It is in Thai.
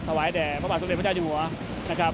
ถวายแด่พระบาทสำเด็จพระเจ้า